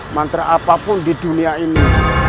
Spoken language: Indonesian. mantra apapun di dunia ini